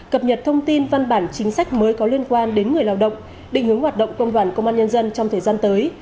cập nhật thông tin văn bản chính sách mới có liên quan đến người lao động định hướng hoạt động công đoàn công an nhân dân trong thời gian tới